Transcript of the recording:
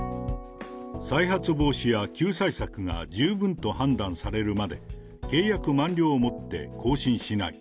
再発防止や救済策が十分と判断されるまで、契約満了をもって更新しない。